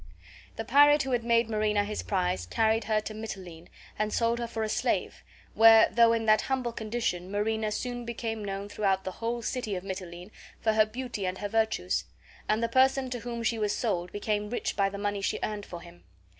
The pirate who had made Marina his prize carried her to Mitylene and sold her for a slave, where, though in that humble condition, Marina soon became known throughout the whole city of Mitylene for her beauty and her virtues, and the person to whom she was sold became rich by the money she earned for him.